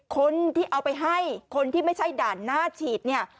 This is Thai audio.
คนที่เอาไปให้คนที่ไม่ใช่ด่านหน้าฉีดเนี่ย